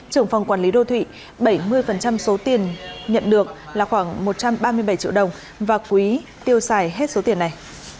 trưởng phòng quản lý đô thụy bảy mươi số tiền nhận được là khoảng một trăm ba mươi bảy triệu đồng và quý tiêu xài hết số tiền này